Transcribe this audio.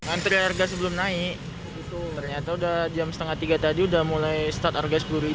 antri harga sebelum naik ternyata udah jam setengah tiga tadi udah mulai start harga rp sepuluh